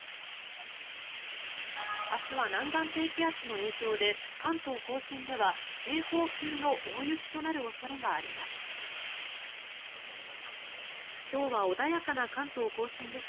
明日は南岸低気圧の影響で関東・甲信では警報級の大雪となる恐れがあります。